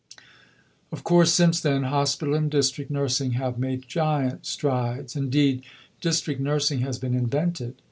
"Of course since then, Hospital and District nursing have made giant strides. Indeed District nursing has been invented.